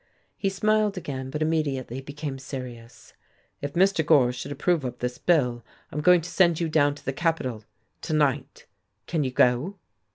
He smiled again, but immediately became serious. "If Mr. Gorse should approve of this bill, I'm going to send you down to the capital to night. Can you go?"